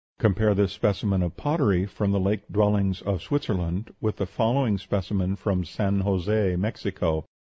Compare this specimen of pottery from the lake dwellings of Switzerland with the following specimen from San José, Mexico.